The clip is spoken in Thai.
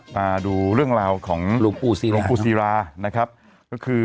มาดูเรื่องราวของฐสีราฐหลวงปู่